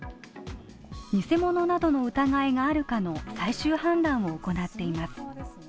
偽物などの疑いがあるかの最終判断を行っています。